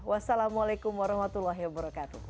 wassalamualaikum warahmatullahi wabarakatuh